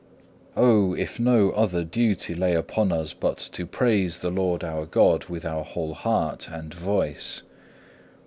8. O! if no other duty lay upon us but to praise the Lord our God with our whole heart and voice!